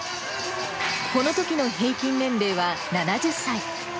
このときの平均年齢は７０歳。